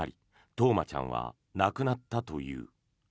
冬生ちゃんは亡くなったという。